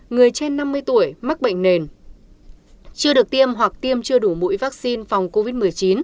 người trên năm mươi tuổi mắc bệnh nền chưa được tiêm hoặc tiêm chưa đủ mũi vaccine phòng covid một mươi chín